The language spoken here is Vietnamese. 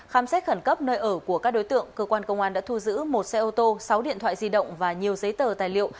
khám xét khẩn cấp nơi ở của các đối tượng cơ quan công an đã thu giữ một xe ô tô sáu điện thoại di động và nhiều giấy tờ tài liệu